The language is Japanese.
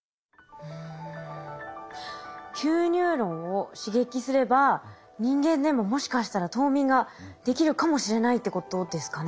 Ｑニューロンを刺激すれば人間でももしかしたら冬眠ができるかもしれないってことですかね？